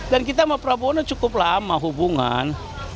dan kita sama prabowo cukup lama hubungan